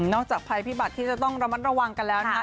จากภัยพิบัติที่จะต้องระมัดระวังกันแล้วนะคะ